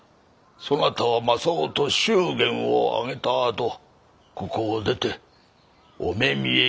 そなたはまさをと祝言を挙げたあとここを出てお目見え